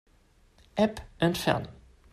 App entfernen.